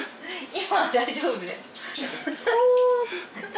今は大丈夫だよ